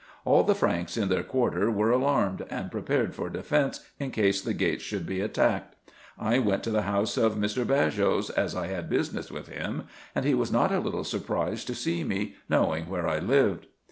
All the Franks in their quarter were alarmed, and prepared for defence in case the gates should be attacked. I went to the house of Mr. Baghos, as I had business with him, and he was not a little surprised to see me, knowing where I lived.